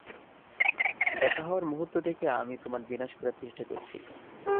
দেখা হওয়ার মুহূর্ত থেকে আমি তোমার বিনাশ করার চেষ্টা করছি।